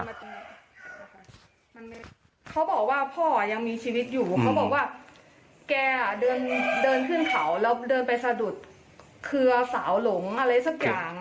เขาบอกว่าพ่อยังมีชีวิตอยู่เขาบอกว่าแกเดินขึ้นเขาแล้วเดินไปสะดุดเครือสาวหลงอะไรสักอย่าง